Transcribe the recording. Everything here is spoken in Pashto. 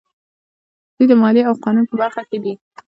دوی د مالیې او قانون په برخه کې دي.